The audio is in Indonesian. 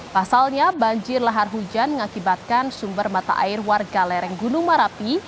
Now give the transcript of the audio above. pasalnya banjir lahar hujan mengakibatkan sumber mata air warga lereng gunung marapi